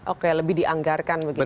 oke lebih dianggarkan begitu